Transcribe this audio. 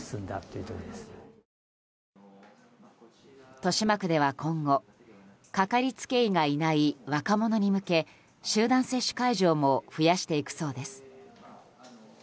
豊島区では今後かかりつけ医がいない若者に向け集団接種会場も増やしていくそうです。